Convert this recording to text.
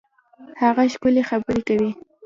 هغه ښکلي خبري کوي.